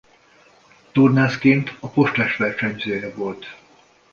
Tornászként a Postás versenyzője volt.